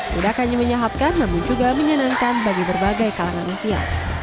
tidak hanya menyehatkan namun juga menyenangkan bagi berbagai kalangan usia